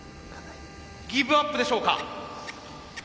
ギブアップでしょうか？